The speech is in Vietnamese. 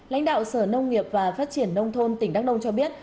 lãnh đạo sở nông nghiệp và phát triển nông thôn tỉnh đắk nông cho biết